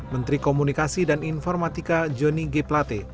menteri komunikasi dan informatika johnny g plate